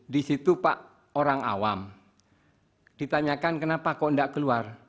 di situ pak orang awam ditanyakan kenapa kok tidak keluar